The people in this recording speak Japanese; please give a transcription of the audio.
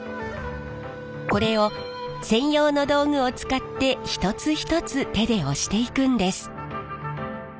これを専用の道具を使って一つ一つ手で押していくんです。